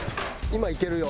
今いけるよ。